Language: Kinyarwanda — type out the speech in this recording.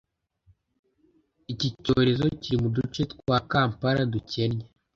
Iki cyorezo kiri mu duce twa Kampala dukennye